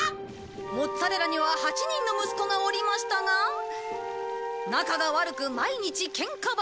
モッツァレラには８人の息子がおりましたが仲が悪く毎日ケンカばかり。